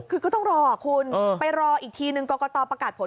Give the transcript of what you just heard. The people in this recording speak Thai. คือก็ต้องรอคุณไปรออีกทีนึงกรกตประกาศผล